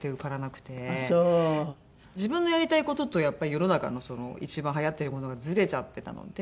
自分のやりたい事とやっぱり世の中の一番はやってるものがずれちゃってたので。